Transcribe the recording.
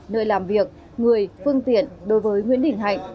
nơi làm việc người phương tiện đối với nguyễn đình hạnh